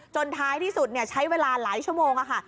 ท้ายที่สุดใช้เวลาหลายชั่วโมงค่ะ